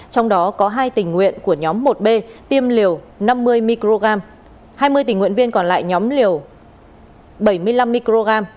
trong đó có hai tỉnh nguyện của nhóm một b tiêm liều năm mươi mg hai mươi tỉnh nguyện viên còn lại nhóm liều bảy mươi năm mg